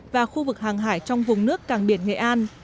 và khu vực hàng hải trong vùng nước cảng biển nghệ an